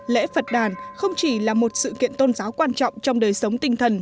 lễ phật đàn không chỉ là một sự kiện tôn giáo quan trọng trong đời sống tinh thần